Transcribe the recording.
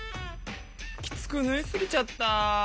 きつくぬいすぎちゃった。